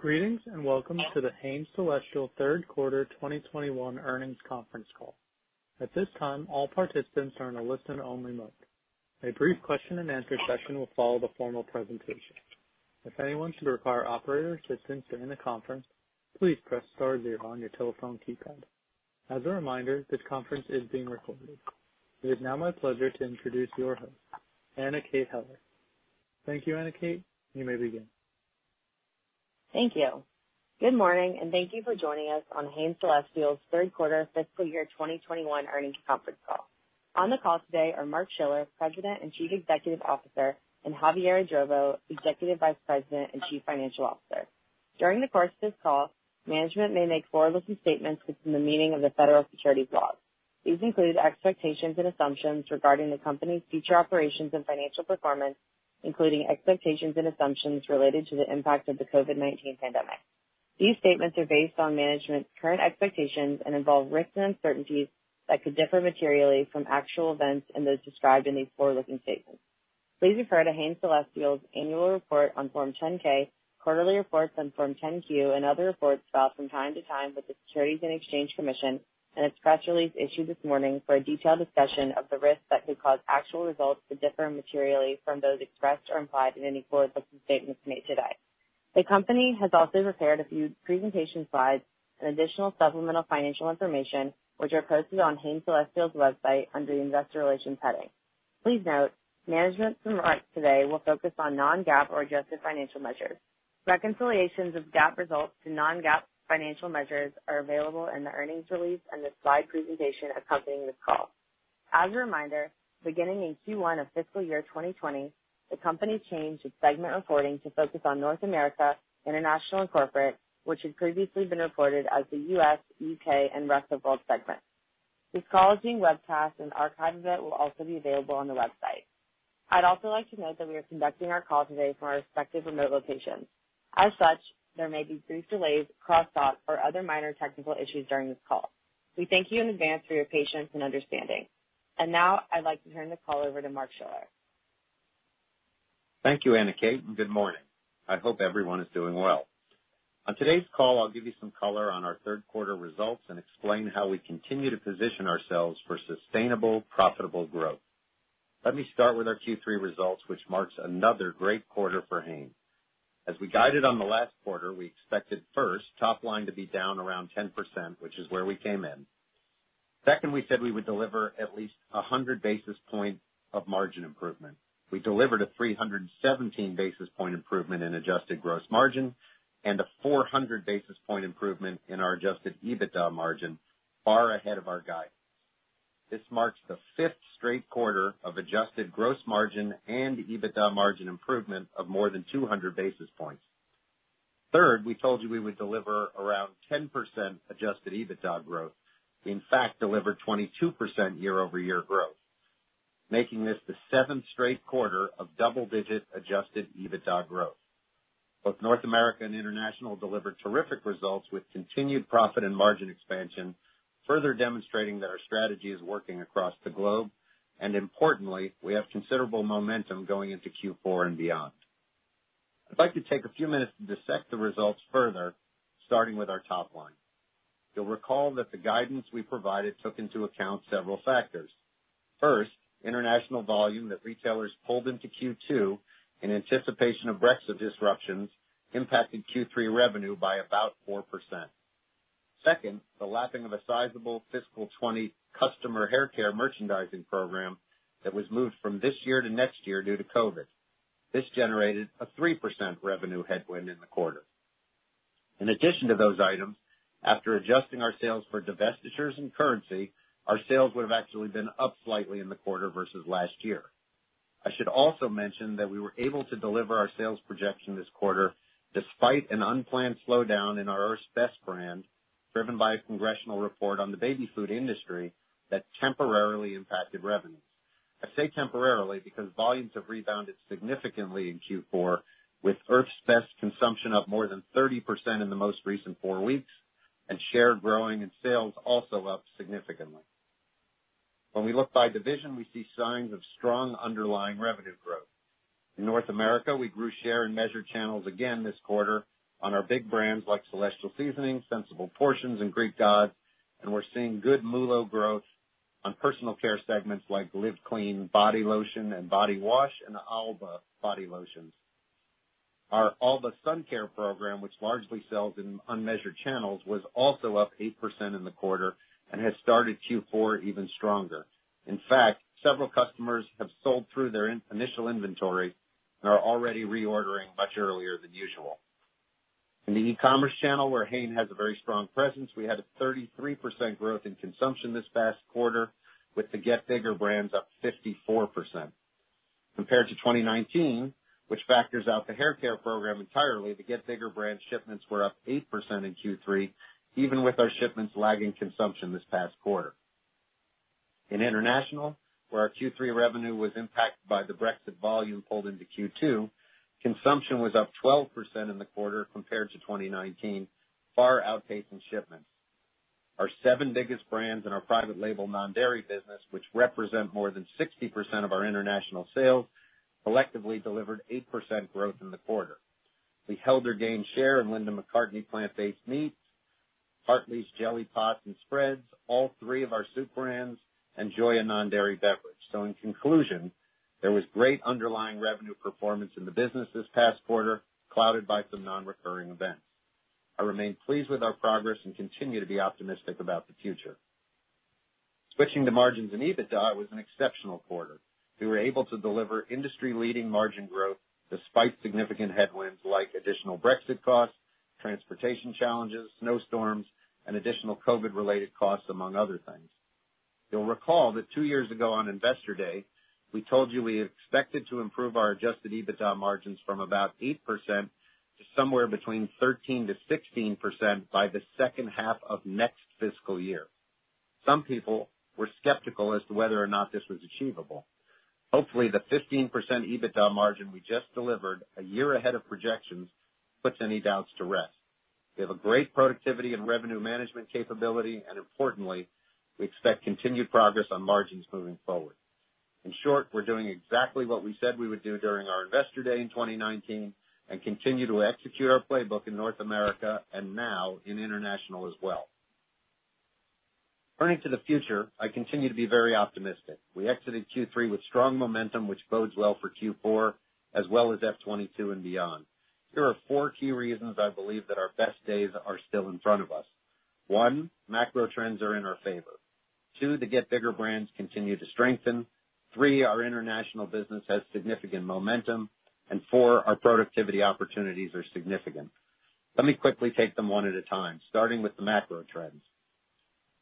Greetings, welcome to The Hain Celestial third quarter 2021 earnings conference call. At this time, all participants are in a listen-only mode. A brief question and answer session will follow the formal presentation. If anyone should require operator assistance during the conference, please press star zero on your telephone keypad. As a reminder, this conference is being recorded. It is now my pleasure to introduce your host, Anna Kate Heller. Thank you, Anna Kate. You may begin. Thank you. Good morning, and thank you for joining us on Hain Celestial's third quarter fiscal year 2021 earnings conference call. On the call today are Mark Schiller, President and Chief Executive Officer, and Javier Idrovo, Executive Vice President and Chief Financial Officer. During the course of this call, management may make forward-looking statements within the meaning of the federal securities laws. These include expectations and assumptions regarding the company's future operations and financial performance, including expectations and assumptions related to the impact of the COVID-19 pandemic. These statements are based on management's current expectations and involve risks and uncertainties that could differ materially from actual events and those described in these forward-looking statements. Please refer to Hain Celestial's annual report on Form 10-K, quarterly reports on Form 10-Q and other reports filed from time to time with the Securities and Exchange Commission and its press release issued this morning for a detailed discussion of the risks that could cause actual results to differ materially from those expressed or implied in any forward-looking statements made today. The company has also prepared a few presentation slides and additional supplemental financial information, which are posted on Hain Celestial's website under the Investor Relations heading. Please note, management's remarks today will focus on non-GAAP or adjusted financial measures. Reconciliations of GAAP results to non-GAAP financial measures are available in the earnings release and the slide presentation accompanying this call. As a reminder, beginning in Q1 of fiscal year 2020, the company changed its segment reporting to focus on North America, International, and Corporate, which had previously been reported as the U.S., U.K., and rest of world segments. This call is being webcast and an archive of it will also be available on the website. I'd also like to note that we are conducting our call today from our respective remote locations. As such, there may be brief delays, crosstalk, or other minor technical issues during this call. We thank you in advance for your patience and understanding. Now I'd like to turn the call over to Mark Schiller. Thank you, Anna Kate, and good morning. I hope everyone is doing well. On today's call, I'll give you some color on our third quarter results and explain how we continue to position ourselves for sustainable, profitable growth. Let me start with our Q3 results, which marks another great quarter for Hain. As we guided on the last quarter, we expected, first, top line to be down around 10%, which is where we came in. Second, we said we would deliver at least 100 basis points of margin improvement. We delivered a 317 basis point improvement in adjusted gross margin and a 400 basis point improvement in our adjusted EBITDA margin, far ahead of our guidance. This marks the fifth straight quarter of adjusted gross margin and EBITDA margin improvement of more than 200 basis points. Third, we told you we would deliver around 10% adjusted EBITDA growth. We in fact delivered 22% year-over-year growth, making this the seventh straight quarter of double-digit adjusted EBITDA growth. Both North America and International delivered terrific results with continued profit and margin expansion, further demonstrating that our strategy is working across the globe. Importantly, we have considerable momentum going into Q4 and beyond. I'd like to take a few minutes to dissect the results further, starting with our top line. You'll recall that the guidance we provided took into account several factors. First, international volume that retailers pulled into Q2 in anticipation of Brexit disruptions impacting Q3 revenue by about 4%. Second, the lapping of a sizable fiscal 2020 customer haircare merchandising program that was moved from this year to next year due to COVID-19. This generated a 3% revenue headwind in the quarter. In addition to those items, after adjusting our sales for divestitures and currency, our sales would have actually been up slightly in the quarter versus last year. I should also mention that we were able to deliver our sales projection this quarter despite an unplanned slowdown in our Earth's Best brand, driven by a congressional report on the baby food industry that temporarily impacted revenue. I say temporarily because volumes have rebounded significantly in Q4, with Earth's Best consumption up more than 30% in the most recent four weeks, share growing, and sales also up significantly. When we look by division, we see signs of strong underlying revenue growth. In North America, we grew share in measured channels again this quarter on our big brands like Celestial Seasonings, Sensible Portions, and Greek Gods, and we're seeing good MULO growth on personal care segments like Live Clean body lotion and body wash, and the Alba body lotions. Our Alba Sun Care program, which largely sells in unmeasured channels, was also up 8% in the quarter and has started Q4 even stronger. In fact, several customers have sold through their initial inventory and are already reordering much earlier than usual. In the e-commerce channel, where Hain has a very strong presence, we had a 33% growth in consumption this past quarter, with the Get Bigger brands up 54%. Compared to 2019, which factors out the haircare program entirely, the Get Bigger brand shipments were up 8% in Q3, even with our shipments lagging consumption this past quarter. In international, where our Q3 revenue was impacted by the Brexit volume pulled into Q2, consumption was up 12% in the quarter compared to 2019, far outpacing shipments. Our seven biggest brands in our private label non-dairy business, which represent more than 60% of our international sales, collectively delivered 8% growth in the quarter. We held or gained share in Linda McCartney's plant-based meats, Hartley's jelly pots and spreads, all three of our soup brands, and Joya non-dairy beverage. In conclusion, there was great underlying revenue performance in the business this past quarter, clouded by some non-recurring events. I remain pleased with our progress and continue to be optimistic about the future. Switching to margins and EBITDA, it was an exceptional quarter. We were able to deliver industry-leading margin growth despite significant headwinds like additional Brexit costs, transportation challenges, snowstorms, and additional COVID-related costs, among other things. You'll recall that two years ago on Investor Day, we told you we expected to improve our adjusted EBITDA margins from about 8% to somewhere between 13%-16% by the second half of next fiscal year. Some people were skeptical as to whether or not this was achievable. Hopefully, the 15% EBITDA margin we just delivered, one year ahead of projections, puts any doubts to rest. We have a great productivity and revenue management capability, and importantly, we expect continued progress on margins moving forward. In short, we're doing exactly what we said we would do during our Investor Day in 2019 and continue to execute our playbook in North America and now in international as well. Turning to the future, I continue to be very optimistic. We exited Q3 with strong momentum, which bodes well for Q4 as well as FY 2022 and beyond. Here are four key reasons I believe that our best days are still in front of us. One, macro trends are in our favor. Two, the Get Bigger brands continue to strengthen. Three, our international business has significant momentum. Four, our productivity opportunities are significant. Let me quickly take them one at a time, starting with the macro trends.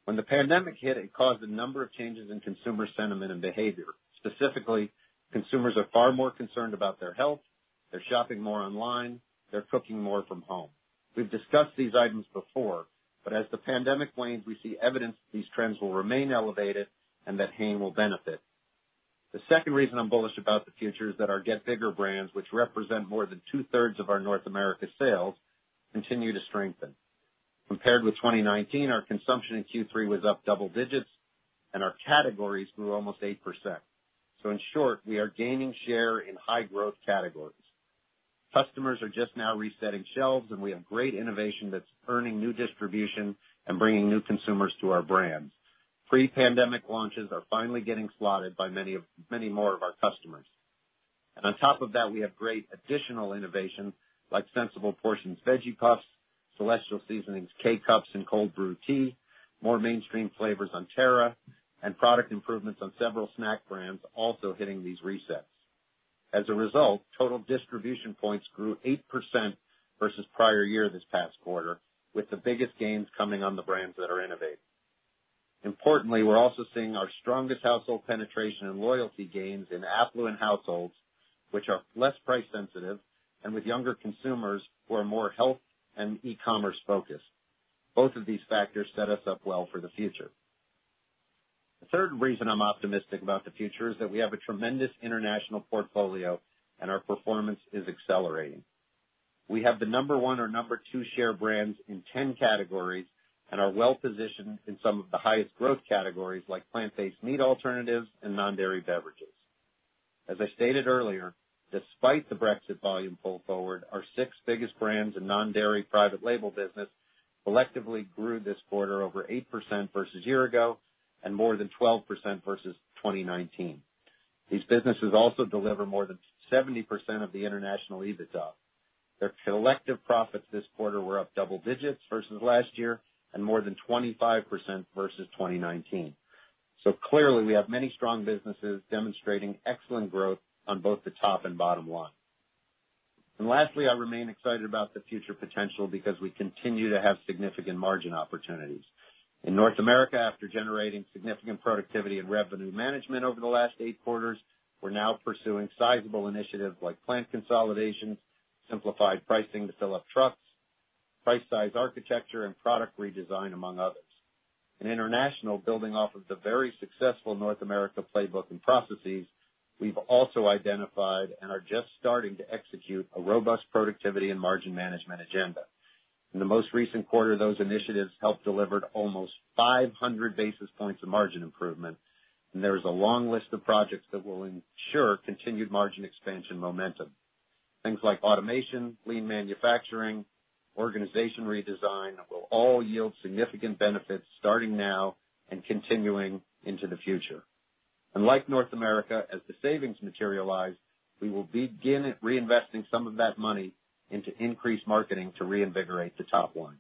When the pandemic hit, it caused a number of changes in consumer sentiment and behavior. Specifically, consumers are far more concerned about their health, they're shopping more online, they're cooking more from home. We've discussed these items before, but as the pandemic wanes, we see evidence that these trends will remain elevated and that Hain will benefit. The second reason I'm bullish about the future is that our Get Bigger brands, which represent more than 2/3 of our North America sales, continue to strengthen. Compared with 2019, our consumption in Q3 was up double digits, and our categories grew almost 8%. In short, we are gaining share in high-growth categories. Customers are just now resetting shelves, and we have great innovation that's earning new distribution and bringing new consumers to our brands. Pre-pandemic launches are finally getting slotted by many more of our customers. On top of that, we have great additional innovation like Sensible Portions Veggie Puffs, Celestial Seasonings K-Cups and Cold Brew Tea, more mainstream flavors on Terra, and product improvements on several snack brands also hitting these resets. As a result, total distribution points grew 8% versus prior year this past quarter, with the biggest gains coming on the brands that are innovating. Importantly, we're also seeing our strongest household penetration and loyalty gains in affluent households, which are less price sensitive, and with younger consumers who are more health and e-commerce focused. Both of these factors set us up well for the future. The third reason I'm optimistic about the future is that we have a tremendous international portfolio and our performance is accelerating. We have the number one or number two share brands in 10 categories and are well-positioned in some of the highest growth categories like plant-based meat alternatives and non-dairy beverages. As I stated earlier, despite the Brexit volume pull forward, our six biggest brands in non-dairy private label business collectively grew this quarter over 8% versus year ago and more than 12% versus 2019. These businesses also deliver more than 70% of the international EBITDA. Their collective profits this quarter were up double digits versus last year and more than 25% versus 2019. Clearly, we have many strong businesses demonstrating excellent growth on both the top and bottom line. Lastly, I remain excited about the future potential because we continue to have significant margin opportunities. In North America, after generating significant productivity and revenue management over the last eight quarters, we're now pursuing sizable initiatives like plant consolidation, simplified pricing to fill up trucks, price size architecture, and product redesign, among others. In international, building off of the very successful North America playbook and processes, we've also identified and are just starting to execute a robust productivity and margin management agenda. In the most recent quarter, those initiatives helped deliver almost 500 basis points of margin improvement, and there is a long list of projects that will ensure continued margin expansion momentum. Things like automation, lean manufacturing, organization redesign that will all yield significant benefits starting now and continuing into the future. Like North America, as the savings materialize, we will begin reinvesting some of that money into increased marketing to reinvigorate the top line.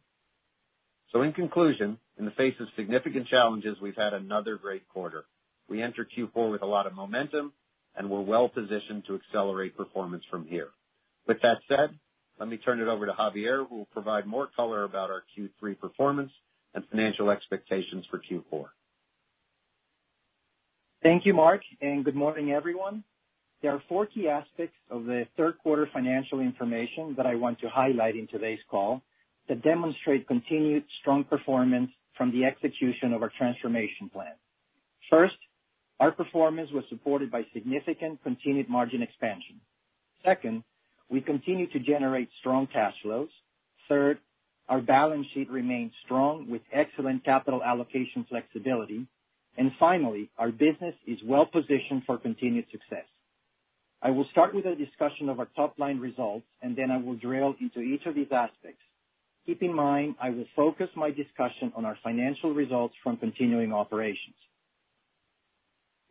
In conclusion, in the face of significant challenges, we've had another great quarter. We enter Q4 with a lot of momentum, and we're well-positioned to accelerate performance from here. With that said, let me turn it over to Javier, who will provide more color about our Q3 performance and financial expectations for Q4. Thank you, Mark, and good morning, everyone. There are four key aspects of the third quarter financial information that I want to highlight in today's call that demonstrate continued strong performance from the execution of our transformation plan. First, our performance was supported by significant continued margin expansion. Second, we continue to generate strong cash flows. Third, our balance sheet remains strong with excellent capital allocation flexibility. Finally, our business is well-positioned for continued success. I will start with a discussion of our top-line results. Then I will drill into each of these aspects. Keep in mind, I will focus my discussion on our financial results from continuing operations.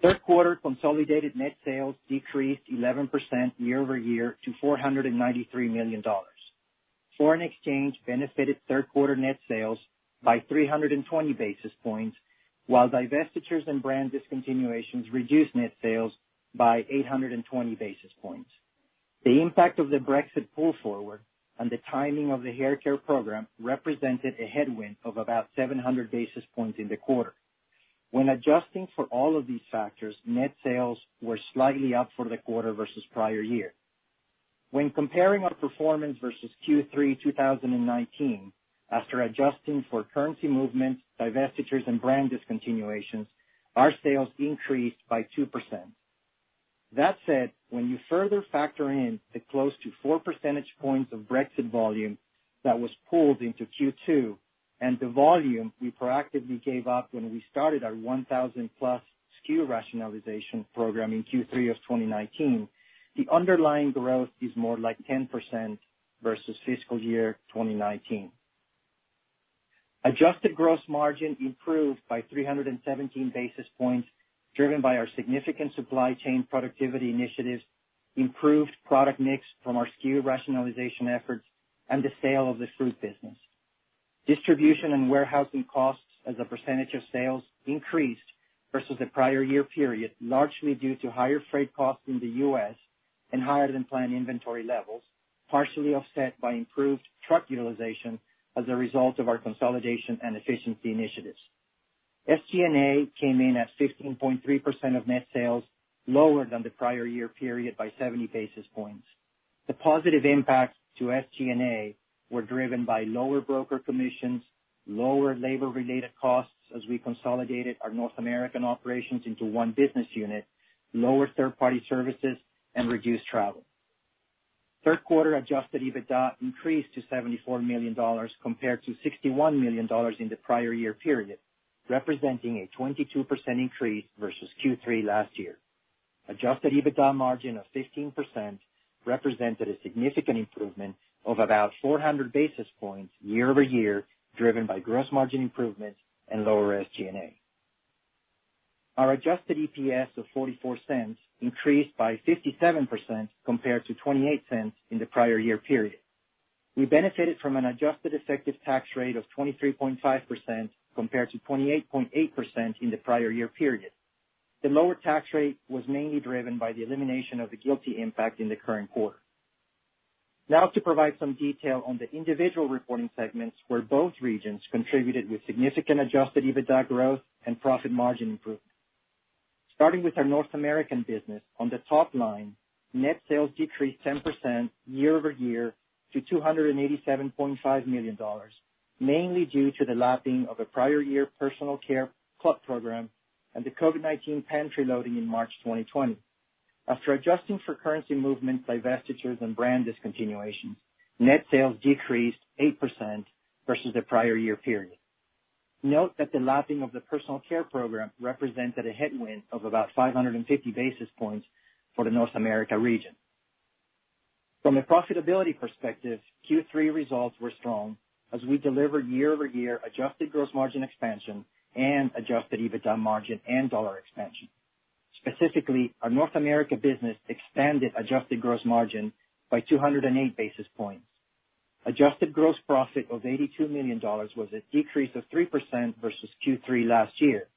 Third quarter consolidated net sales decreased 11% year-over-year to $493 million. Foreign exchange benefited third quarter net sales by 320 basis points, while divestitures and brand discontinuations reduced net sales by 820 basis points. The impact of the Brexit pull forward and the timing of the haircare program represented a headwind of about 700 basis points in the quarter. When adjusting for all of these factors, net sales were slightly up for the quarter versus the prior year. When comparing our performance versus Q3 2019, after adjusting for currency movements, divestitures, and brand discontinuations, our sales increased by 2%. That said, when you further factor in the close to four percentage points of Brexit volume that was pulled into Q2 and the volume we proactively gave up when we started our 1,000-plus SKU rationalization program in Q3 of 2019, the underlying growth is more like 10% versus fiscal year 2019. Adjusted gross margin improved by 317 basis points, driven by our significant supply chain productivity initiatives, improved product mix from our SKU rationalization efforts, and the sale of the fruit business. Distribution and warehousing costs as a percentage of sales increased versus the prior year period, largely due to higher freight costs in the U.S. and higher-than-planned inventory levels, partially offset by improved truck utilization as a result of our consolidation and efficiency initiatives. SG&A came in at 15.3% of net sales, lower than the prior year period by 70 basis points. The positive impacts to SG&A were driven by lower broker commissions, lower labor-related costs as we consolidated our North American operations into one business unit, lower third-party services, and reduced travel. Third quarter adjusted EBITDA increased to $74 million compared to $61 million in the prior year period, representing a 22% increase versus Q3 last year. Adjusted EBITDA margin of 15% represented a significant improvement of about 400 basis points year-over-year, driven by gross margin improvements and lower SG&A. Our adjusted EPS of $0.44 increased by 57% compared to $0.28 in the prior year period. We benefited from an adjusted effective tax rate of 23.5% compared to 28.8% in the prior year period. The lower tax rate was mainly driven by the elimination of the GILTI impact in the current quarter. To provide some detail on the individual reporting segments where both regions contributed with significant adjusted EBITDA growth and profit margin improvement. Starting with our North American business, on the top line, net sales decreased 10% year-over-year to $287.5 million, mainly due to the lapping of a prior year personal care club program and the COVID-19 pantry loading in March 2020. After adjusting for currency movements, divestitures, and brand discontinuations, net sales decreased 8% versus the prior year period. Note that the lapping of the personal care program represented a headwind of about 550 basis points for the North America region. From a profitability perspective, Q3 results were strong as we delivered year-over-year adjusted gross margin expansion and adjusted EBITDA margin and dollar expansion. Specifically, our North America business expanded adjusted gross margin by 208 basis points. Adjusted gross profit of $82 million was a decrease of 3% versus Q3 last year.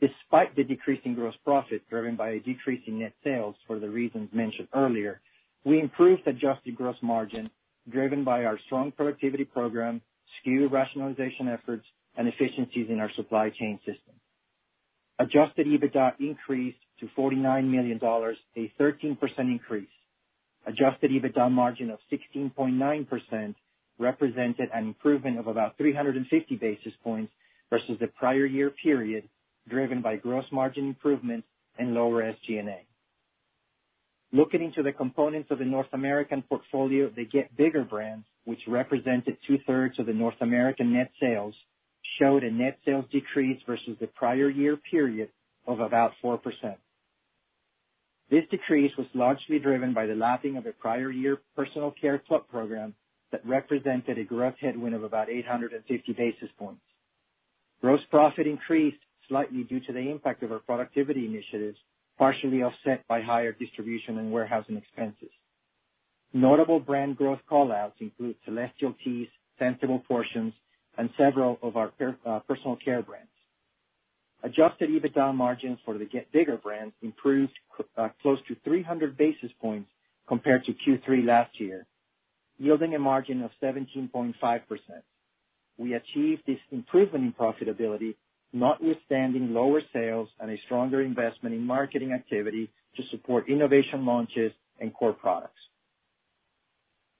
Despite the decrease in gross profit driven by a decrease in net sales for the reasons mentioned earlier, we improved adjusted gross margin driven by our strong productivity program, SKU rationalization efforts, and efficiencies in our supply chain system. Adjusted EBITDA increased to $49 million, a 13% increase. Adjusted EBITDA margin of 16.9% represented an improvement of about 350 basis points versus the prior year period, driven by gross margin improvements and lower SG&A. Looking into the components of the North American portfolio, the Get Bigger brands, which represented 2/3 of the North American net sales, showed a net sales decrease versus the prior year period of about 4%. This decrease was largely driven by the lapping of a prior year personal care club program that represented a gross headwind of about 850 basis points. Gross profit increased slightly due to the impact of our productivity initiatives, partially offset by higher distribution and warehousing expenses. Notable brand growth callouts include Celestial Teas, Sensible Portions, and several of our personal care brands. Adjusted EBITDA margins for the Get Bigger brands improved close to 300 basis points compared to Q3 last year, yielding a margin of 17.5%. We achieved this improvement in profitability notwithstanding lower sales and a stronger investment in marketing activity to support innovation launches and core products.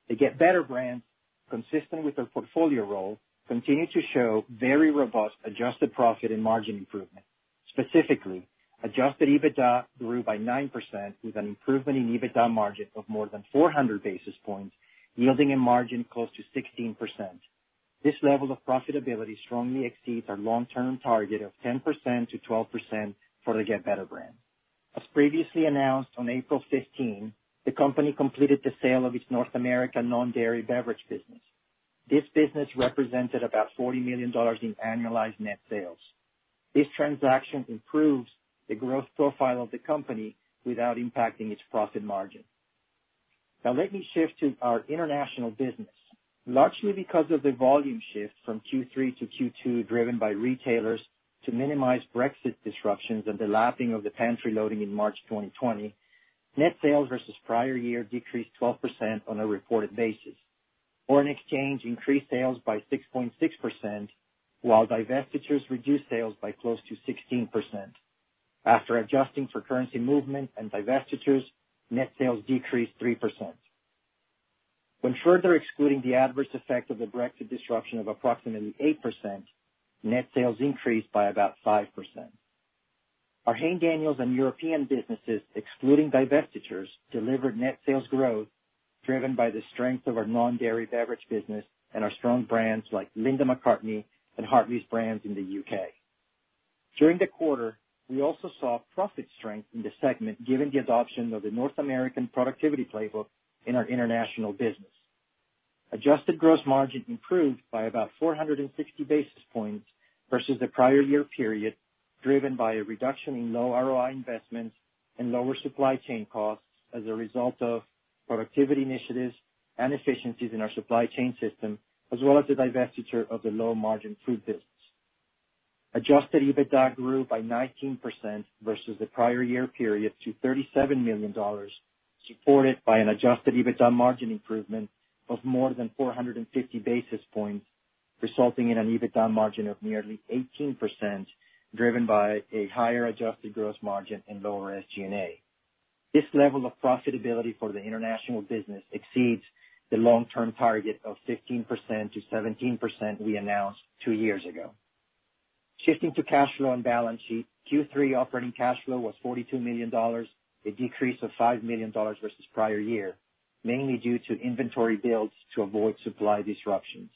The Get Better brands, consistent with their portfolio role, continue to show very robust adjusted profit and margin improvement. Specifically, adjusted EBITDA grew by 9% with an improvement in EBITDA margin of more than 400 basis points, yielding a margin close to 16%. This level of profitability strongly exceeds our long-term target of 10%-12% for the Get Better brand. As previously announced on April 15th, the company completed the sale of its North American non-dairy beverage business. This business represented about $40 million in annualized net sales. This transaction improves the growth profile of the company without impacting its profit margin. Let me shift to our international business. Largely because of the volume shift from Q3 to Q2, driven by retailers to minimize Brexit disruptions and the lapping of the pantry loading in March 2020, net sales versus prior year decreased 12% on a reported basis. Foreign exchange increased sales by 6.6%, while divestitures reduced sales by close to 16%. After adjusting for currency movement and divestitures, net sales decreased 3%. When further excluding the adverse effect of the Brexit disruption of approximately 8%, net sales increased by about 5%. Our Hain Daniels and European businesses, excluding divestitures, delivered net sales growth driven by the strength of our non-dairy beverage business and our strong brands like Linda McCartney's and Hartley's brands in the U.K. During the quarter, we also saw profit strength in the segment, given the adoption of the North American productivity playbook in our international business. Adjusted gross margin improved by about 460 basis points versus the prior year period, driven by a reduction in low ROI investments and lower supply chain costs as a result of productivity initiatives and efficiencies in our supply chain system, as well as the divestiture of the low-margin fruit business. Adjusted EBITDA grew by 19% versus the prior year period to $37 million, supported by an adjusted EBITDA margin improvement of more than 450 basis points, resulting in an EBITDA margin of nearly 18%, driven by a higher adjusted gross margin and lower SG&A. This level of profitability for the international business exceeds the long-term target of 15%-17% we announced two years ago. Shifting to cash flow and balance sheet, Q3 operating cash flow was $42 million, a decrease of $5 million versus the prior year, mainly due to inventory builds to avoid supply disruptions.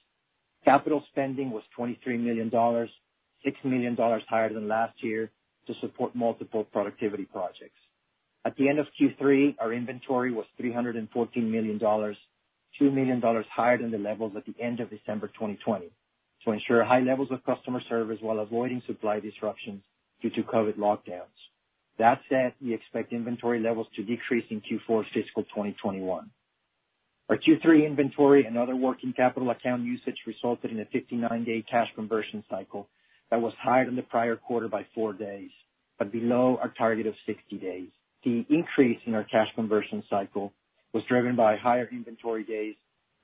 Capital spending was $23 million, $6 million higher than last year, to support multiple productivity projects. At the end of Q3, our inventory was $314 million, $2 million higher than the levels at the end of December 2020, to ensure high levels of customer service while avoiding supply disruptions due to COVID lockdowns. That said, we expect inventory levels to decrease in Q4 fiscal 2021. Our Q3 inventory and other working capital account usage resulted in a 59-day cash conversion cycle that was higher than the prior quarter by four days, but below our target of 60 days. The increase in our cash conversion cycle was driven by higher inventory days,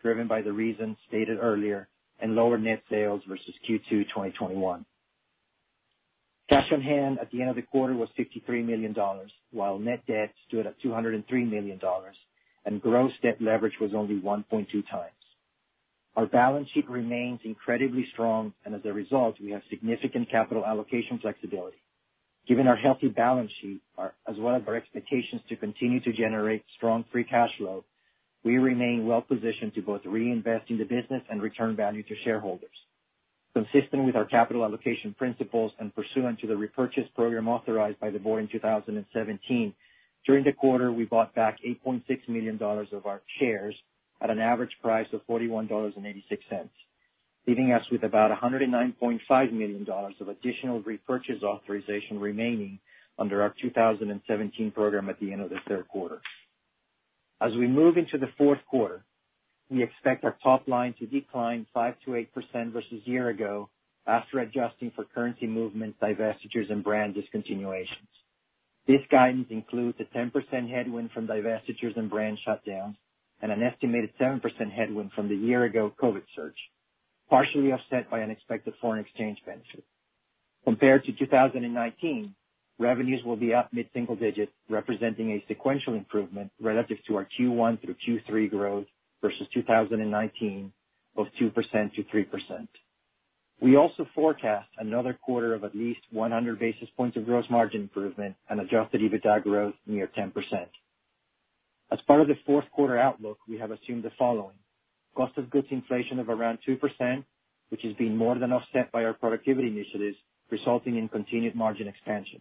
driven by the reasons stated earlier, and lower net sales versus Q2 2021. Cash on hand at the end of the quarter was $63 million, while net debt stood at $203 million, and gross debt leverage was only 1.2 times. Our balance sheet remains incredibly strong, and as a result, we have significant capital allocation flexibility. Given our healthy balance sheet, as well as our expectations to continue to generate strong free cash flow, we remain well-positioned to both reinvest in the business and return value to shareholders. Consistent with our capital allocation principles and pursuant to the repurchase program authorized by the board in 2017, during the quarter, we bought back $8.6 million of our shares at an average price of $41.86, leaving us with about $109.5 million of additional repurchase authorization remaining under our 2017 program at the end of the third quarter. As we move into the fourth quarter, we expect our top line to decline 5%-8% versus a year ago after adjusting for currency movements, divestitures, and brand discontinuations. This guidance includes a 10% headwind from divestitures and brand shutdowns and an estimated 7% headwind from the year-ago COVID surge, partially offset by unexpected foreign exchange benefits. Compared to 2019, revenues will be up mid-single digits, representing a sequential improvement relative to our Q1 through Q3 growth versus 2019 of 2%-3%. We also forecast another quarter of at least 100 basis points of gross margin improvement and adjusted EBITDA growth near 10%. As part of the fourth quarter outlook, we have assumed the following. Cost of goods inflation of around 2%, which has been more than offset by our productivity initiatives, resulting in continued margin expansion.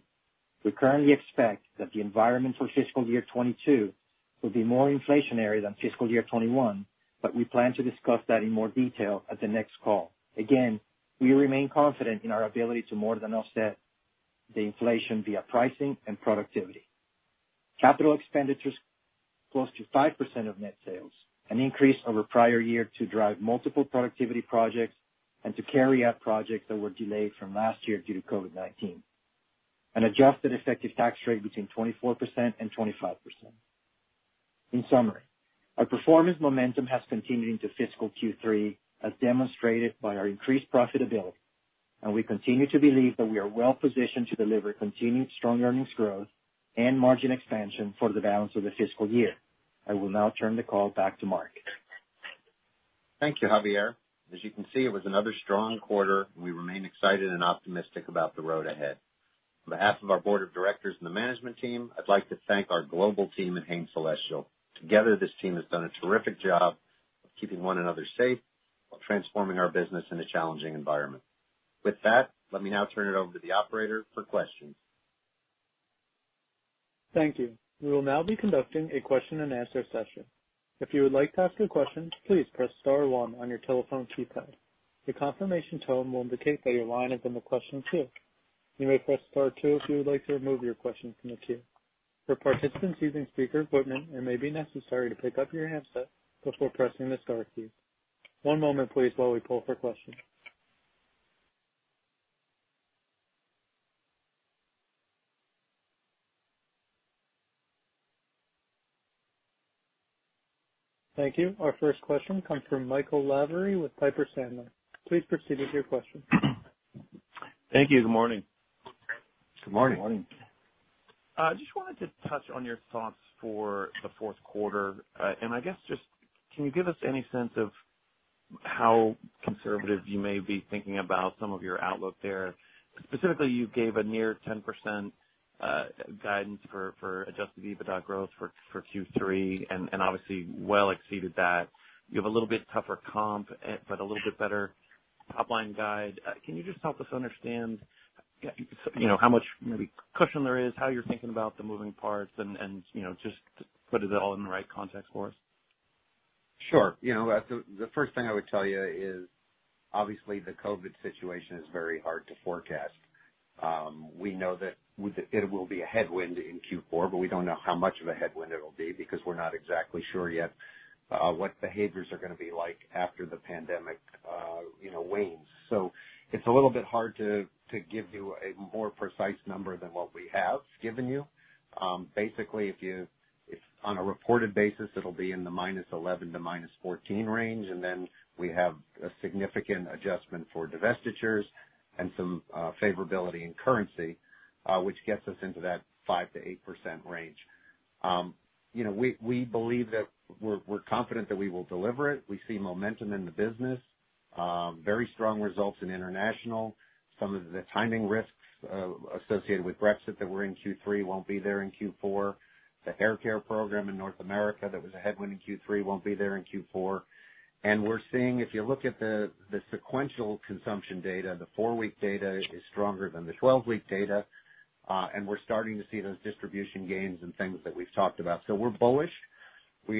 We currently expect that the environment for fiscal year 2022 will be more inflationary than fiscal year 2021, but we plan to discuss that in more detail at the next call. Again, we remain confident in our ability to more than offset the inflation via pricing and productivity. Capital expenditures close to 5% of net sales, an increase over the prior year, to drive multiple productivity projects and to carry out projects that were delayed from last year due to COVID-19. An adjusted effective tax rate between 24% and 25%. In summary, our performance momentum has continued into fiscal Q3, as demonstrated by our increased profitability. We continue to believe that we are well-positioned to deliver continued strong earnings growth and margin expansion for the balance of the fiscal year. I will now turn the call back to Mark. Thank you, Javier. As you can see, it was another strong quarter, and we remain excited and optimistic about the road ahead. On behalf of our board of directors and the management team, I'd like to thank our global team at Hain Celestial. Together, this team has done a terrific job of keeping one another safe while transforming our business in a challenging environment. With that, let me now turn it over to the operator for questions. Thank you. Our first question comes from Michael Lavery with Piper Sandler. Please proceed with your question. Thank you. Good morning. Good morning. Good morning. I just wanted to touch on your thoughts for the fourth quarter. I guess just can you give us any sense of how conservative you may be thinking about some of your outlook there? Specifically, you gave a near 10% guidance for adjusted EBITDA growth for Q3 and obviously well exceeded that. You have a little bit tougher comp, but a little bit better top-line guide. Can you just help us understand how much maybe cushion there is, how you're thinking about the moving parts and, just to put it all in the right context for us? Sure. The first thing I would tell you is obviously the COVID situation is very hard to forecast. We know that it will be a headwind in Q4, but we don't know how much of a headwind it'll be because we're not exactly sure yet what behaviors are gonna be like after the pandemic wanes. It's a little bit hard to give you a more precise number than what we have given you. Basically, if on a reported basis, it'll be in the -11% to -14% range, and then we have a significant adjustment for divestitures and some favorability in currency, which gets us into that 5%-8% range. We're confident that we will deliver it. We see momentum in the business, very strong results in international. Some of the timing risks associated with Brexit that were in Q3 won't be there in Q4. The hair care program in North America that was a headwind in Q3 won't be there in Q4. We're seeing, if you look at the sequential consumption data, the four-week data is stronger than the 12-week data. We're starting to see those distribution gains and things that we've talked about. We're bullish. When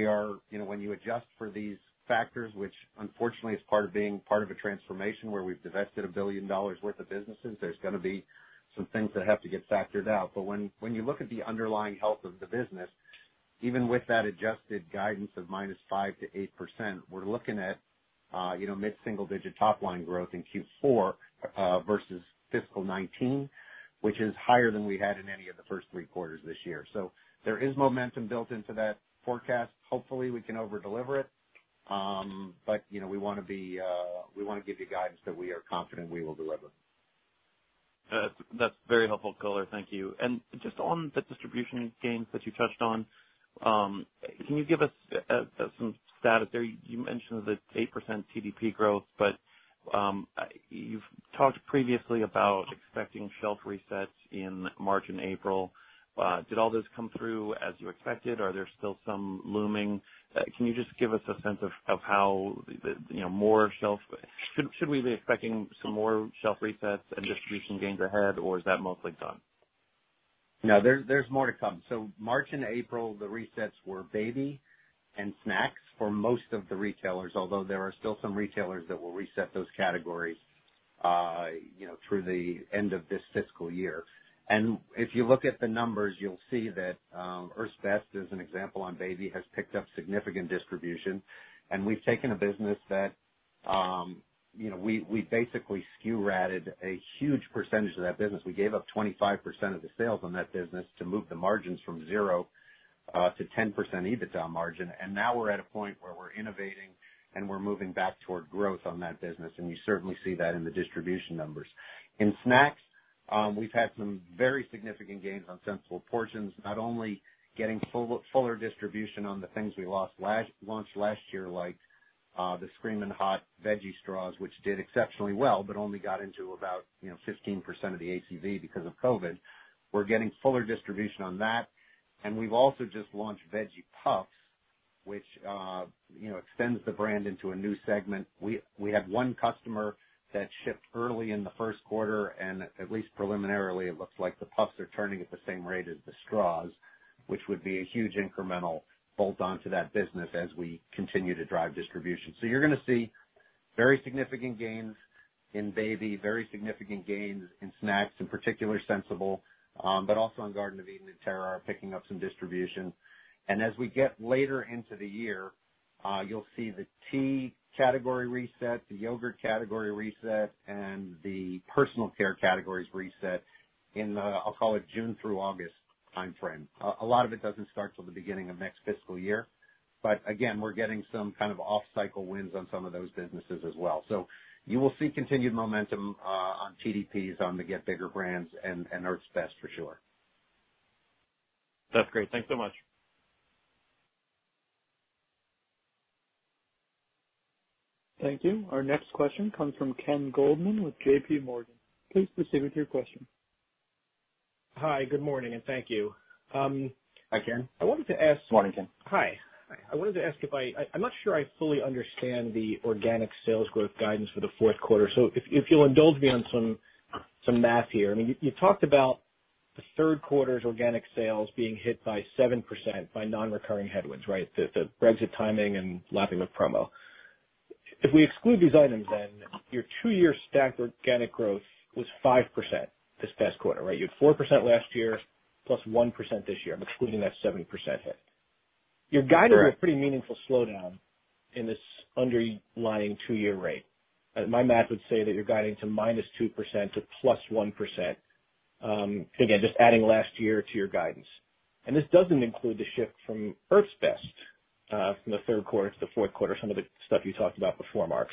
you adjust for these factors, which unfortunately is part of being part of a transformation where we've divested $1 billion worth of businesses, there's gonna be some things that have to get factored out. When you look at the underlying health of the business, even with that adjusted guidance of -5% to -8%, we're looking at mid-single digit top line growth in Q4 versus fiscal 2019, which is higher than we had in any of the first three quarters this year. There is momentum built into that forecast. Hopefully, we can over-deliver it. We wanna give you guidance that we are confident we will deliver. That's very helpful color. Thank you. Just on the distribution gains that you touched on, can you give us some status there? You mentioned the 8% TDP growth, but you've talked previously about expecting shelf resets in March and April. Did all this come through as you expected? Are there still some looming? Can you just give us a sense of how, should we be expecting some more shelf resets and distribution gains ahead, or is that mostly done? No, there's more to come. March and April, the resets were baby and snacks for most of the retailers, although there are still some retailers that will reset those categories through the end of this fiscal year. If you look at the numbers, you'll see that Earth's Best, as an example on baby, has picked up significant distribution, and we've taken a business that we basically SKU rationalized a huge percentage of that business. We gave up 25% of the sales on that business to move the margins from zero to 10% EBITDA margin. Now we're at a point where we're innovating and we're moving back toward growth on that business, and you certainly see that in the distribution numbers. In snacks, we've had some very significant gains on Sensible Portions, not only getting fuller distribution on the things we launched last year, like the Screamin' Hot Veggie Straws, which did exceptionally well but only got into about 15% of the ACV because of COVID. We're getting fuller distribution on that, and we've also just launched Veggie Puffs, which extends the brand into a new segment. We have one customer that shipped early in the first quarter, and at least preliminarily, it looks like the Puffs are turning at the same rate as the straws, which would be a huge incremental bolt onto that business as we continue to drive distribution. You're gonna see very significant gains in baby, very significant gains in snacks, in particular Sensible, but also in Garden of Eatin' and Terra are picking up some distribution. As we get later into the year, you'll see the tea category reset, the yogurt category reset, and the personal care categories reset in the, I'll call it June through August timeframe. A lot of it doesn't start till the beginning of next fiscal year. But again, we're getting some kind of off-cycle wins on some of those businesses as well. You will see continued momentum on TDPs, on the Get Bigger brands, and Earth's Best for sure. That's great. Thanks so much. Thank you. Our next question comes from Ken Goldman with JPMorgan. Please proceed with your question. Hi, good morning, and thank you. Hi, Ken. I wanted to ask. Hi. I wanted to ask if I'm not sure I fully understand the organic sales growth guidance for the fourth quarter. If you'll indulge me on some math here. I mean, you talked about the third quarter's organic sales being hit by 7% by non-recurring headwinds, right? The Brexit timing and lapping of promo. If we exclude these items, your two-year stacked organic growth was 5% this past quarter, right? You had 4% last year, plus 1% this year. I'm excluding that 7% hit. You're guiding a pretty meaningful slowdown in this underlying two-year rate. My math would say that you're guiding to -2% to +1%. Again, just adding last year to your guidance. This doesn't include the shift from Earth's Best, from the third quarter to the fourth quarter, some of the stuff you talked about before, Mark.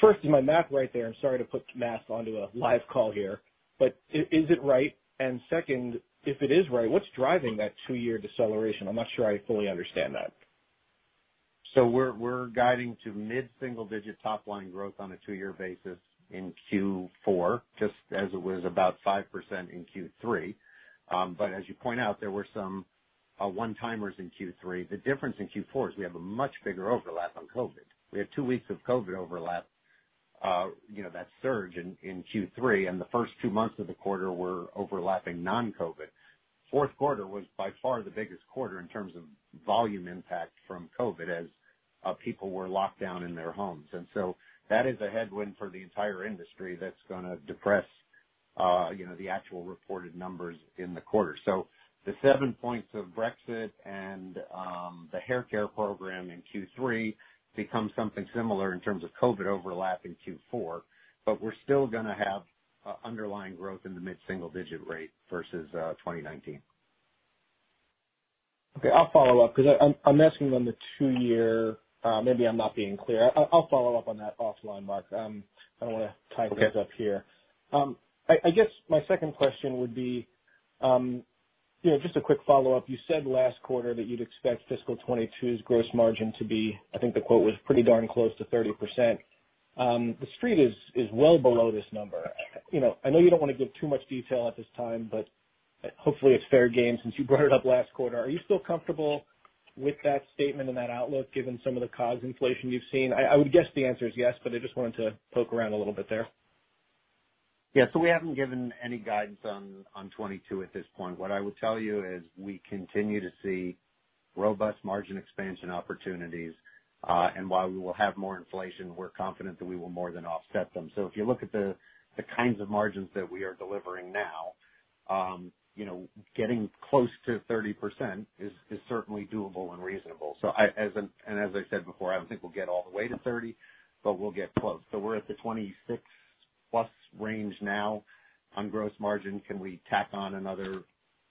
First, is my math right there? I'm sorry to put math onto a live call here, but is it right? Second, if it is right, what's driving that two-year deceleration? I'm not sure I fully understand that. We're guiding to mid-single-digit top-line growth on a two-year basis in Q4, just as it was about 5% in Q3. As you point out, there were some one-timers in Q3. The difference in Q4 is we have a much bigger overlap on COVID. We had two weeks of COVID overlap, that surge in Q3, and the first two months of the quarter were overlapping non-COVID. Fourth quarter was by far the biggest quarter in terms of volume impact from COVID as people were locked down in their homes. That is a headwind for the entire industry that's going to depress the actual reported numbers in the quarter. The seven points of Brexit and the haircare program in Q3 become something similar in terms of COVID overlap in Q4. We're still going to have underlying growth in the mid-single-digit rate versus 2019. Okay. I'll follow up because I'm asking on the two-year. Maybe I'm not being clear. I'll follow up on that offline, Mark. I don't want to tie things up here. I guess my second question would be, just a quick follow-up, you said last quarter that you'd expect fiscal 2022's gross margin to be, I think the quote was, "Pretty darn close to 30%." The Street is well below this number. I know you don't want to give too much detail at this time. Hopefully, it's fair game since you brought it up last quarter. Are you still comfortable with that statement and that outlook given some of the COGS inflation you've seen? I would guess the answer is yes. I just wanted to poke around a little bit there. Yeah. We haven't given any guidance on 2022 at this point. What I will tell you is we continue to see robust margin expansion opportunities. While we will have more inflation, we're confident that we will more than offset them. If you look at the kinds of margins that we are delivering now, getting close to 30% is certainly doable and reasonable. As I said before, I don't think we'll get all the way to 30%, but we'll get close. We're at the 26% plus range now on gross margin. Can we tack on another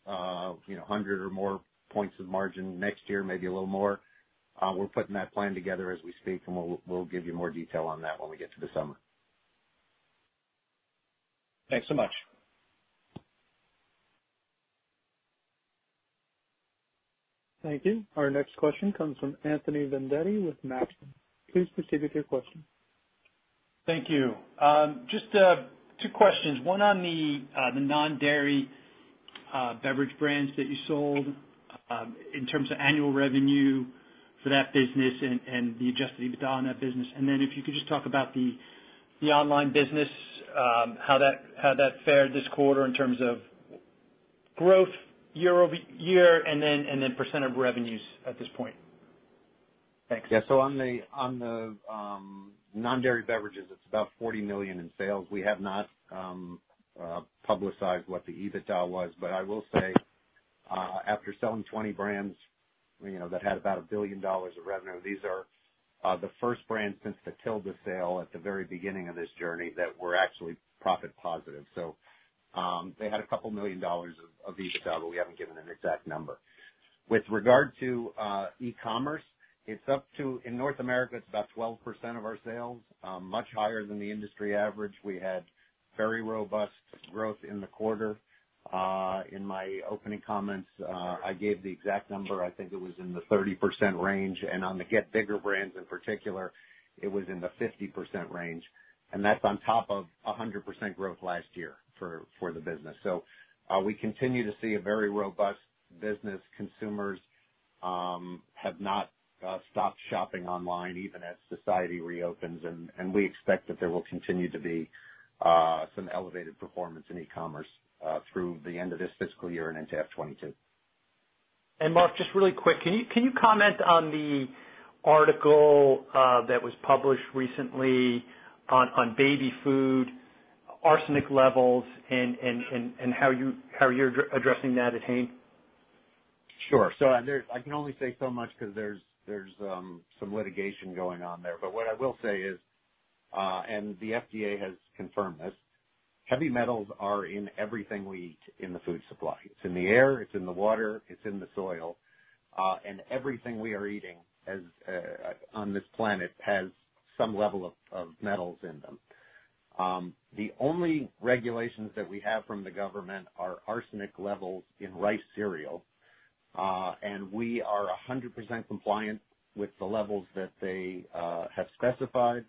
100 or more points of margin next year, maybe a little more? We're putting that plan together as we speak, and we'll give you more detail on that when we get to the summer. Thanks so much. Thank you. Our next question comes from Anthony Vendetti with Maxim Group. Please proceed with your question. Thank you. Just two questions. One on the non-dairy beverage brands that you sold in terms of annual revenue for that business and the adjusted EBITDA on that business. If you could just talk about the online business, how that fared this quarter in terms of growth year-over-year, and then percent of revenues at this point. Thanks. On the non-dairy beverages, it's about $40 million in sales. We have not publicized what the EBITDA was, I will say, after selling 20 brands that had about $1 billion of revenue, these are the first brands since the Tilda sale at the very beginning of this journey that were actually profit positive. They had a couple million dollars of EBITDA, we haven't given an exact number. With regard to e-commerce, in North America, it's about 12% of our sales. Much higher than the industry average. We had very robust growth in the quarter. In my opening comments, I gave the exact number. I think it was in the 30% range. On the Get Bigger brands in particular, it was in the 50% range. That's on top of 100% growth last year for the business. We continue to see a very robust business. Consumers have not stopped shopping online even as society reopens, and we expect that there will continue to be some elevated performance in e-commerce through the end of this fiscal year and into FY 2022. Mark, just really quick, can you comment on the article that was published recently on baby food arsenic levels and how you're addressing that at Hain? Sure. I can only say so much because there's some litigation going on there. What I will say is, the FDA has confirmed this. Heavy metals are in everything we eat in the food supply. It's in the air, it's in the water, it's in the soil. Everything we are eating on this planet has some level of metals in them. The only regulations that we have from the government are arsenic levels in rice cereal. We are 100% compliant with the levels that they have specified.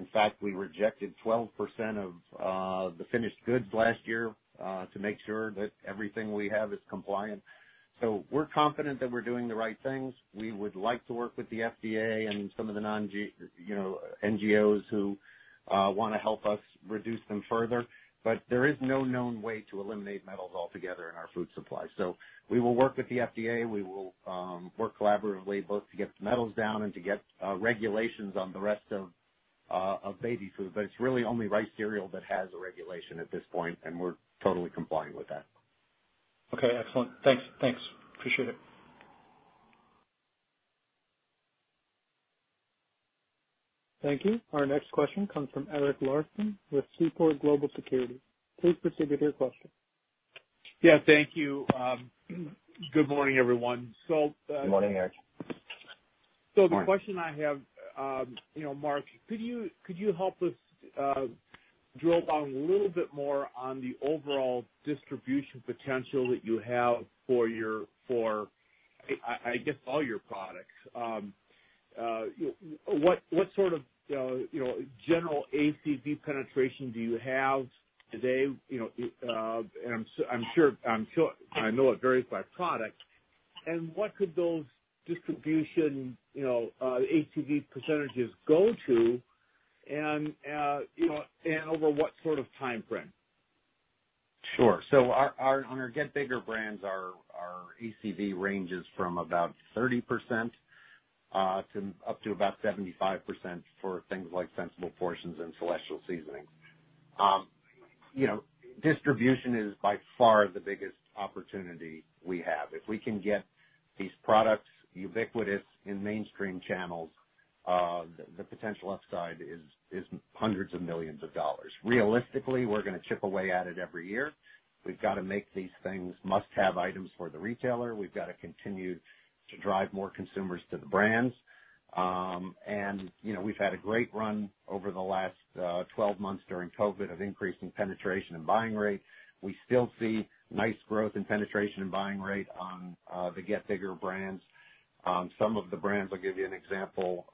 In fact, we rejected 12% of the finished goods last year to make sure that everything we have is compliant. We're confident that we're doing the right things. We would like to work with the FDA and some of the NGOs who want to help us reduce them further. There is no known way to eliminate metals altogether in our food supply. We will work with the FDA. We will work collaboratively both to get the metals down and to get regulations on the rest of baby food. It's really only rice cereal that has a regulation at this point, and we're totally complying with that. Okay, excellent. Thanks. Appreciate it. Thank you. Our next question comes from Eric Larson with Seaport Global Securities. Please proceed with your question. Yeah. Thank you. Good morning, everyone. Good morning, Eric. The question I have, Mark, could you help us drill down a little bit more on the overall distribution potential that you have for, I guess, all your products? What sort of general ACV penetration do you have today? I know it varies by product. What could those distribution ACV percentages go to and over what sort of timeframe? Sure. On our Get Bigger brands, our ACV ranges from about 30% up to about 75% for things like Sensible Portions and Celestial Seasonings. Distribution is by far the biggest opportunity we have. If we can get these products ubiquitous in mainstream channels, the potential upside is hundreds of millions of dollars. Realistically, we're going to chip away at it every year. We've got to make these things must-have items for the retailer. We've got to continue to drive more consumers to the brands. We've had a great run over the last 12 months during COVID of increasing penetration and buying rate. We still see nice growth in penetration and buying rate on the Get Bigger brands. Some of the brands, I'll give you an example,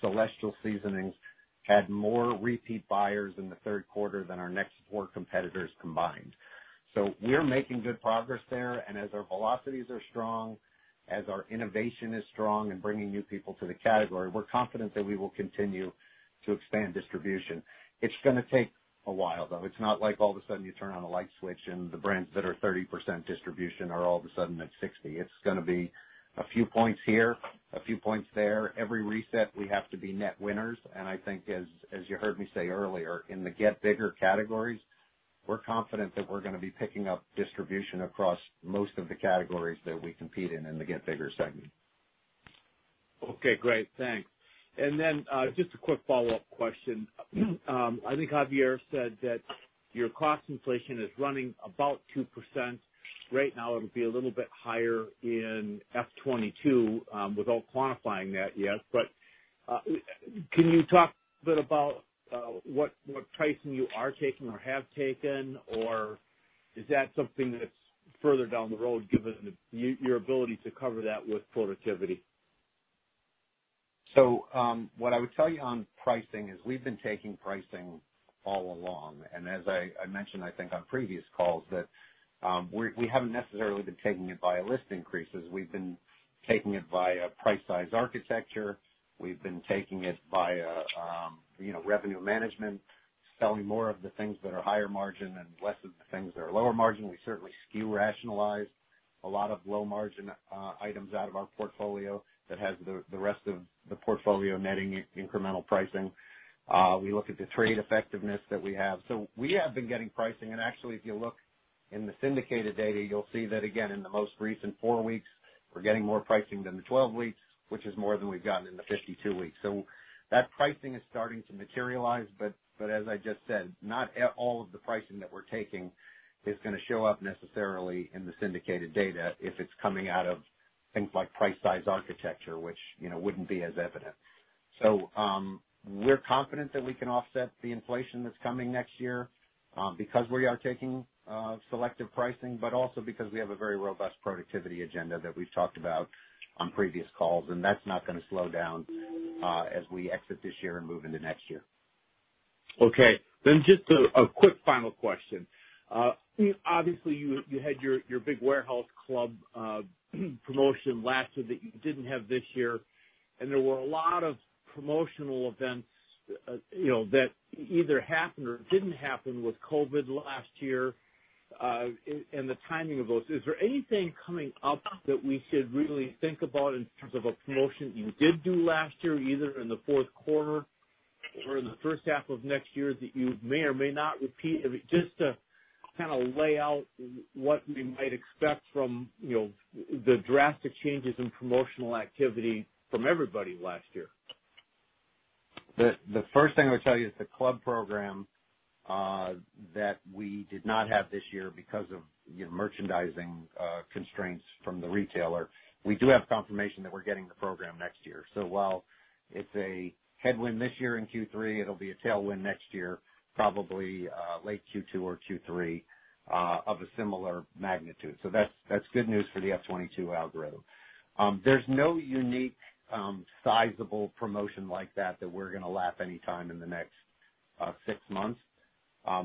Celestial Seasonings had more repeat buyers in the third quarter than our next four competitors combined. We're making good progress there. As our velocities are strong, as our innovation is strong in bringing new people to the category, we're confident that we will continue to expand distribution. It's going to take a while, though. It's not like all of a sudden you turn on a light switch and the brands that are 30% distribution are all of a sudden at 60%. It's going to be a few points here, a few points there. Every reset, we have to be net winners. I think as you heard me say earlier, in the Get Bigger categories, we're confident that we're going to be picking up distribution across most of the categories that we compete in the Get Bigger segment. Okay, great. Thanks. Just a quick follow-up question. I think Javier said that your cost inflation is running about 2% right now. It'll be a little bit higher in FY 2022 without quantifying that yet. Can you talk a bit about what pricing you are taking or have taken? Is that something that's further down the road given your ability to cover that with productivity? What I would tell you on pricing is we've been taking pricing all along. As I mentioned, I think on previous calls, that we haven't necessarily been taking it via list increases. We've been taking it via price size architecture. We've been taking it via revenue management, selling more of the things that are higher margin and less of the things that are lower margin. We certainly SKU rationalized a lot of low margin items out of our portfolio that has the rest of the portfolio netting incremental pricing. We look at the trade effectiveness that we have. We have been getting pricing, and actually, if you look in the syndicated data, you'll see that again, in the most recent four weeks, we're getting more pricing than the 12 weeks, which is more than we've gotten in the 52 weeks. That pricing is starting to materialize, but as I just said, not all of the pricing that we're taking is going to show up necessarily in the syndicated data if it's coming out of things like price size architecture, which wouldn't be as evident. We're confident that we can offset the inflation that's coming next year because we are taking selective pricing, but also because we have a very robust productivity agenda that we've talked about on previous calls, and that's not going to slow down as we exit this year and move into next year. Okay. Just a quick final question. Obviously, you had your big warehouse club promotion last year that you didn't have this year, and there were a lot of promotional events that either happened or didn't happen with COVID last year, and the timing of those. Is there anything coming up that we should really think about in terms of a promotion you did do last year, either in the fourth quarter or in the first half of next year that you may or may not repeat? Just to kind of lay out what we might expect from the drastic changes in promotional activity from everybody last year. The first thing I would tell you is the club program that we did not have this year because of merchandising constraints from the retailer, we do have confirmation that we're getting the program next year. While it's a headwind this year in Q3, it'll be a tailwind next year, probably late Q2 or Q3, of a similar magnitude. That's good news for the FY 2022 algorithm. There's no unique sizable promotion like that we're going to lap any time in the next six months.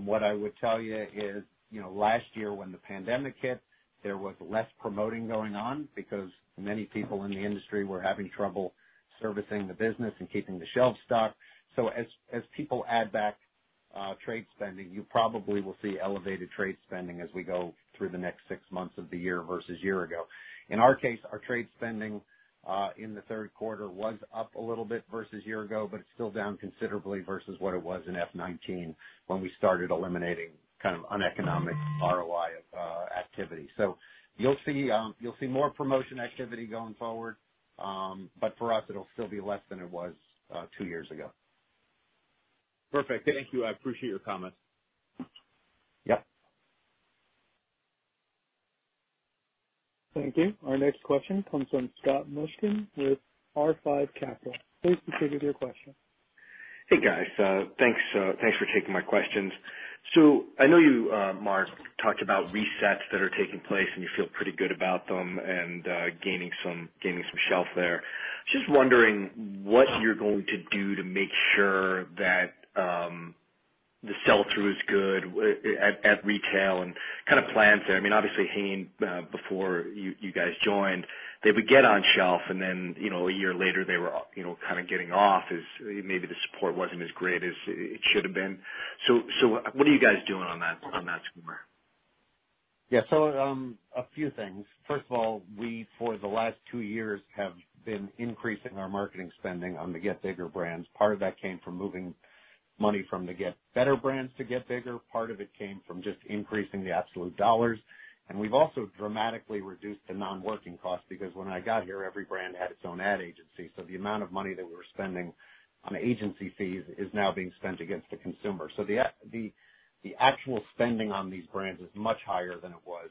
What I would tell you is last year when the pandemic hit, there was less promoting going on because many people in the industry were having trouble servicing the business and keeping the shelves stocked. As people add back trade spending, you probably will see elevated trade spending as we go through the next six months of the year versus year-ago. In our case, our trade spending in the third quarter was up a little bit versus year-ago, but it's still down considerably versus what it was in FY 2019 when we started eliminating kind of uneconomic ROI of activity. You'll see more promotion activity going forward, but for us, it'll still be less than it was two years ago. Perfect. Thank you. I appreciate your comments. Yes. Thank you. Our next question comes from Scott Mushkin with R5 Capital. Please proceed with your question. Hey, guys. Thanks for taking my questions. I know you, Mark, talked about resets that are taking place, and you feel pretty good about them and gaining some shelf there. Just wondering what you're going to do to make sure that the sell-through is good at retail and plans there. Obviously, Hain, before you guys joined, they would get on shelf, and then a year later they were kind of getting off as maybe the support wasn't as great as it should have been. What are you guys doing on that score? Yeah. A few things. First of all, we, for the last two years, have been increasing our marketing spending on the Get Bigger brands. Part of that came from moving money from the Get Better brands to Get Bigger. Part of it came from just increasing the absolute dollars. We've also dramatically reduced the non-working costs because when I got here, every brand had its own ad agency. The amount of money that we were spending on agency fees is now being spent against the consumer. The actual spending on these brands is much higher than it was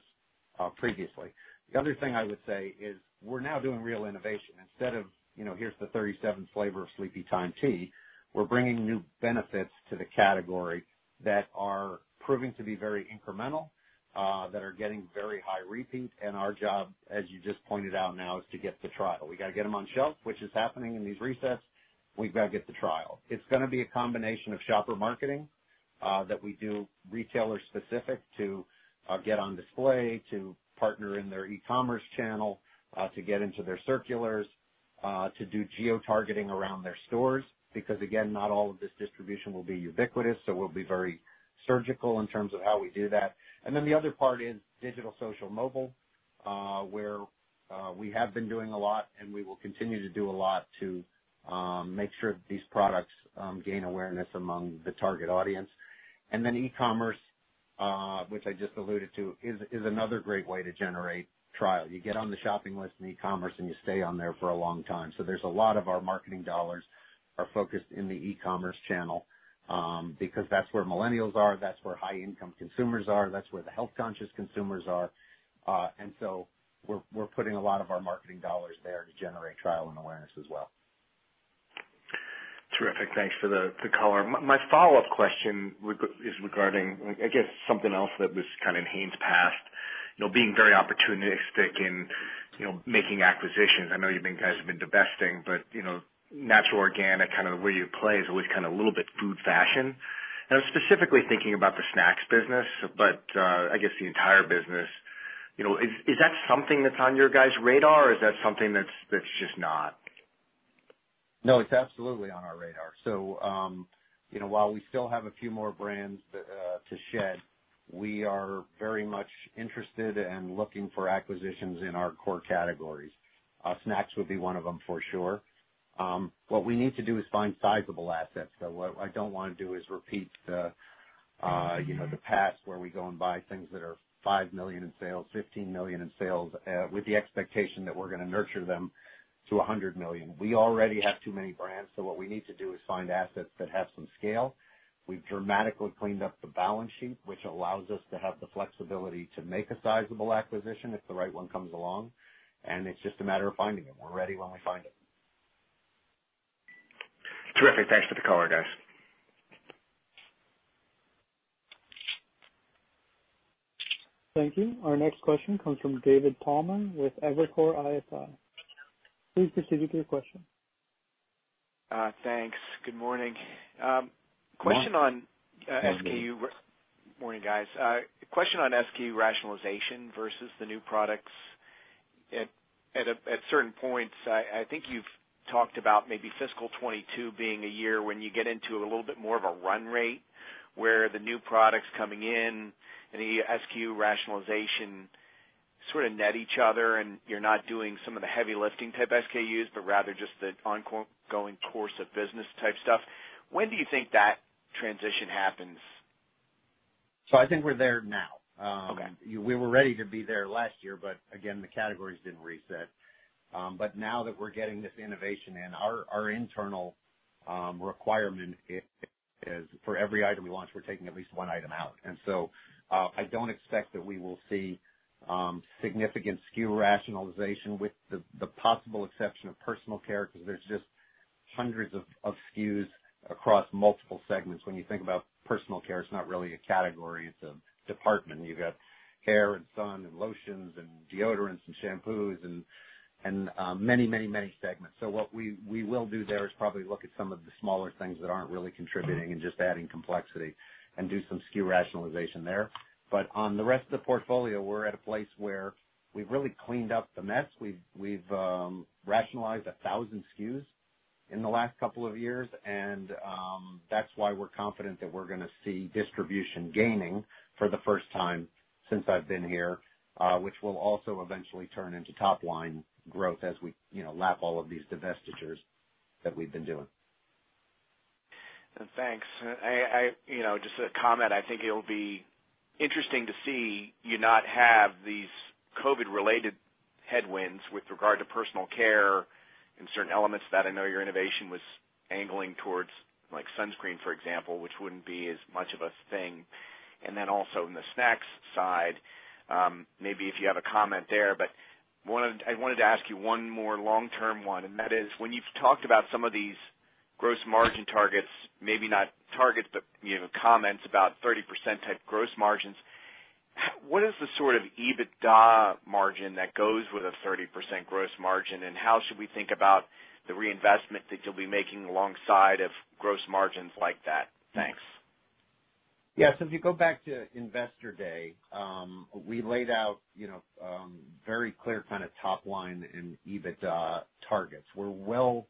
previously. The other thing I would say is we're now doing real innovation. Instead of, here's the 37th flavor of Sleepytime tea, we're bringing new benefits to the category that are proving to be very incremental, that are getting very high repeat. Our job, as you just pointed out now, is to get the trial. We got to get them on shelf, which is happening in these resets. We've got to get the trial. It's going to be a combination of shopper marketing that we do retailer-specific to get on display, to partner in their e-commerce channel, to get into their circulars, to do geotargeting around their stores. Again, not all of this distribution will be ubiquitous, so we'll be very surgical in terms of how we do that. The other part is digital, social, mobile, where we have been doing a lot, and we will continue to do a lot to make sure these products gain awareness among the target audience. E-commerce, which I just alluded to, is another great way to generate trial. You get on the shopping list in e-commerce, and you stay on there for a long time. There's a lot of our marketing dollars are focused in the e-commerce channel, because that's where millennials are, that's where high-income consumers are, that's where the health-conscious consumers are. We're putting a lot of our marketing dollars there to generate trial and awareness as well. Terrific. Thanks for the color. My follow-up question is regarding, I guess, something else that was kind of Hain's past, being very opportunistic in making acquisitions. I know you guys have been divesting, but natural organic, kind of where you play is always kind of a little bit food fashion. I was specifically thinking about the snacks business, but I guess the entire business. Is that something that's on your guys' radar or is that something that's just not? No, it's absolutely on our radar. While we still have a few more brands to shed, we are very much interested and looking for acquisitions in our core categories. Snacks would be one of them for sure. What we need to do is find sizable assets, though. What I don't want to do is repeat the past where we go and buy things that are $5 million in sales, $15 million in sales, with the expectation that we're going to nurture them to $100 million. We already have too many brands, so what we need to do is find assets that have some scale. We've dramatically cleaned up the balance sheet, which allows us to have the flexibility to make a sizable acquisition if the right one comes along, and it's just a matter of finding it. We're ready when we find it. Terrific. Thanks for the color, guys. Thank you. Our next question comes from David Palmer with Evercore ISI. Please proceed with your question. Thanks. Good morning. Morning. Morning, guys. Question on SKU rationalization versus the new products. At certain points, I think you've talked about maybe fiscal 2022 being a year when you get into a little bit more of a run rate, where the new products coming in and the SKU rationalization sort of net each other and you're not doing some of the heavy lifting type SKUs, but rather just the ongoing course of business type stuff. When do you think that transition happens? I think we're there now. Okay. We were ready to be there last year, again, the categories didn't reset. Now that we're getting this innovation in, our internal requirement is for every item we launch, we're taking at least one item out. I don't expect that we will see significant SKU rationalization with the possible exception of personal care, because there's just hundreds of SKUs across multiple segments. When you think about personal care, it's not really a category, it's a department. You've got hair and sun and lotions and deodorants and shampoos and many segments. What we will do there is probably look at some of the smaller things that aren't really contributing and just adding complexity and do some SKU rationalization there. On the rest of the portfolio, we're at a place where we've really cleaned up the mess. We've rationalized 1,000 SKUs in the last couple of years. That's why we're confident that we're going to see distribution gaining for the first time since I've been here, which will also eventually turn into top-line growth as we lap all of these divestitures that we've been doing. Thanks. Just a comment. I think it'll be interesting to see you not have these COVID-related headwinds with regard to personal care and certain elements that I know your innovation was angling towards, like sunscreen, for example, which wouldn't be as much of a thing. Also in the snacks side, maybe if you have a comment there, but I wanted to ask you one more long-term one, and that is, when you've talked about some of these gross margin targets, maybe not targets, but comments about 30% type gross margins. What is the sort of EBITDA margin that goes with a 30% gross margin, and how should we think about the reinvestment that you'll be making alongside of gross margins like that? Thanks. Yeah. If you go back to Investor Day, we laid out very clear kind of top line and EBITDA targets. We're well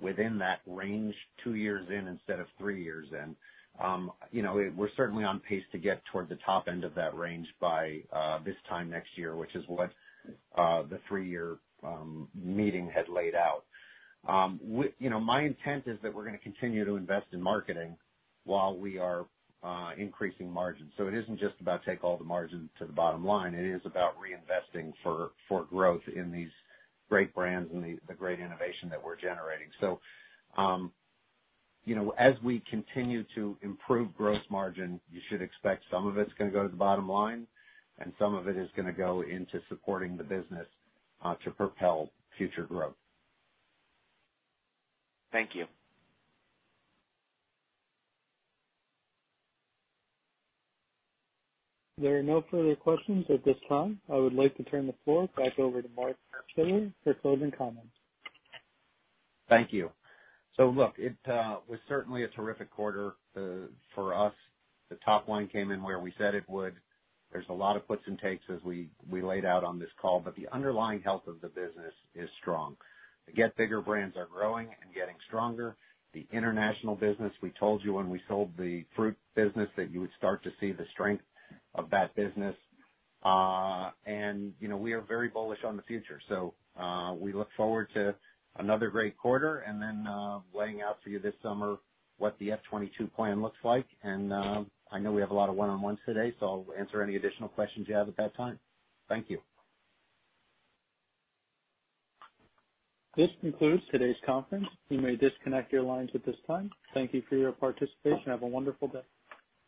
within that range, two years in instead of three years in. We're certainly on pace to get towards the top end of that range by this time next year, which is what the three-year meeting had laid out. My intent is that we're going to continue to invest in marketing while we are increasing margins. It isn't just about take all the margin to the bottom line. It is about reinvesting for growth in these great brands and the great innovation that we're generating. As we continue to improve gross margin, you should expect some of it's going to go to the bottom line and some of it is going to go into supporting the business, to propel future growth. Thank you. There are no further questions at this time. I would like to turn the floor back over to Mark Schiller for closing comments. Thank you. Look, it was certainly a terrific quarter for us. The top line came in where we said it would. There's a lot of puts and takes as we laid out on this call, but the underlying health of the business is strong. The Get Bigger brands are growing and getting stronger. The international business, we told you when we sold the fruit business that you would start to see the strength of that business. We are very bullish on the future. We look forward to another great quarter and then laying out for you this summer what the FY 2022 plan looks like. I know we have a lot of one-on-ones today, I'll answer any additional questions you have at that time. Thank you. This concludes today's conference. You may disconnect your lines at this time. Thank you for your participation. Have a wonderful day.